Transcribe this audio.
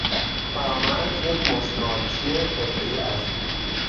فرامرز یک مشتمالچی حرفهای است